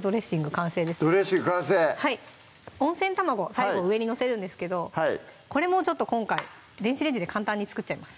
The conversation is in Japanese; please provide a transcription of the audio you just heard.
ドレッシング完成温泉卵最後上に載せるんですけどこれもちょっと今回電子レンジで簡単に作っちゃいます